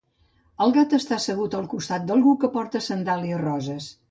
Un gat està assegut al costat d'algú que porta sandàlies roses.